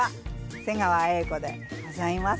瀬川瑛子でございます。